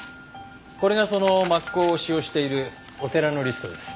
これがその抹香を使用しているお寺のリストです。